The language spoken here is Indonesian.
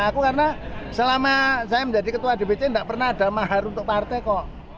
aku karena selama saya menjadi ketua dpc tidak pernah ada mahar untuk partai kok